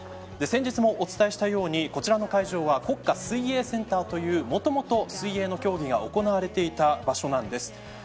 先日もお伝えしたようにこちらの会場は国家水泳センターというもともと水泳の競技が行われていた場所なんです。